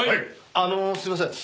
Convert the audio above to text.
あのすいません。